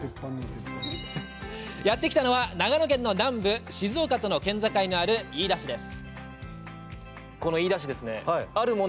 やって来たのは長野県の南部静岡との県境のある飯田市です。